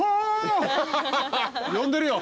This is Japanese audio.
呼んでるよ。